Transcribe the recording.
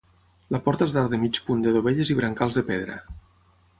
La porta és d'arc de mig punt de dovelles i brancals de pedra.